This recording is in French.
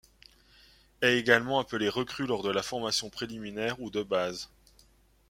Est également appelé recrue lors de la formation préliminaire ou de base.